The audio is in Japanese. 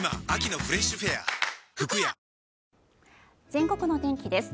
全国の天気です。